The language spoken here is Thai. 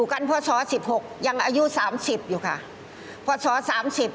นอนเสยเลยเหรอคะค่ะนอนเด็ด